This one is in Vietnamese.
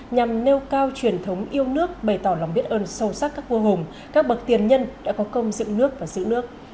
nhằm nêu cao truyền thống yêu nước bày tỏ lòng biết ơn sâu sắc các vua hùng các bậc tiền nhân đã có công dựng nước và giữ nước